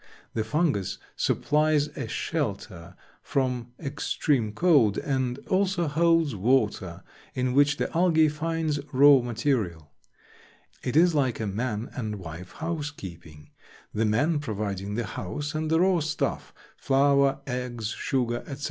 The Fungus supplies a shelter from extreme cold, and also holds water in which the Algae finds raw material. It is like a man and wife housekeeping, the man providing the house and the raw stuff—flour, eggs, sugar, etc.